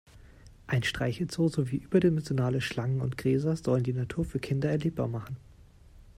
Ein Streichelzoo sowie überdimensionale Schlangen und Gräser sollen die Natur für Kinder erlebbar machen.